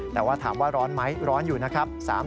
แต่ว่าถามว่าร้อนไหมร้อนอยู่นะครับ